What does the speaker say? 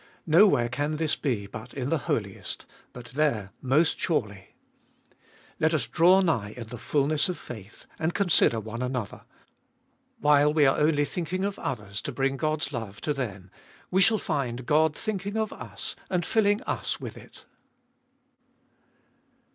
Nowhere can this be but in the Holiest ; but there most surely. Let us draw nigh in the fulness of faith, and consider one another. While we are only thinking of others to bring God's love to them, we shall find God thinking of us, and filling us with it.